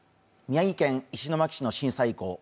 宮城県石巻市の震災遺構